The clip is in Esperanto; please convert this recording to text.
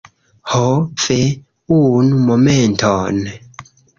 Ho, ve! Unu momenton.